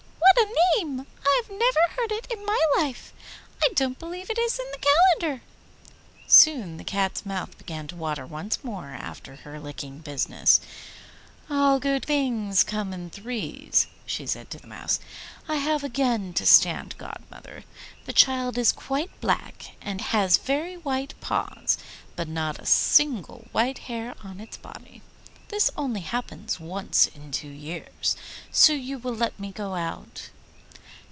what a name! I have never heard it in my life. I don't believe it is in the calendar.' Soon the Cat's mouth began to water once more after her licking business. 'All good things in threes,' she said to the Mouse; 'I have again to stand godmother. The child is quite black, and has very white paws, but not a single white hair on its body. This only happens once in two years, so you will let me go out?